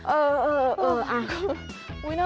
เออเออเออ